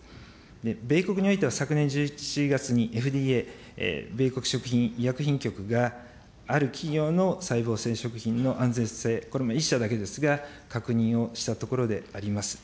米国においては昨年１１月に、ＦＤＡ・米国食品医薬品局が、ある企業の細胞性食品の安全性、これは１社だけですが、確認をしたところであります。